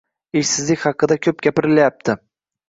Ishsizlik haqida ko‘p gapirilayapti.